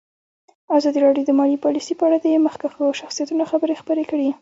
ازادي راډیو د مالي پالیسي په اړه د مخکښو شخصیتونو خبرې خپرې کړي.